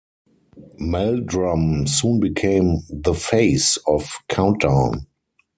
Meldrum soon became the "face" of "Countdown".